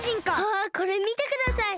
あこれみてください！